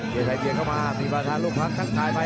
เปียไทยเบียเข้ามามีเบาทะลูกภัฏทังข่ายไป